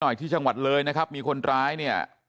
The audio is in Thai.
หน่อยที่ชะวัดเลยนะครับมีคนร้ายเนี่ย